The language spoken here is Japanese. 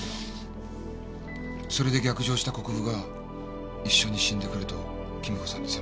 それで逆上した国府が一緒に死んでくれと貴美子さんに迫った。